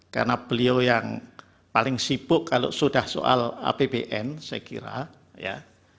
karena beliau yang paling sibuk kalau sudah soal apbn saya kira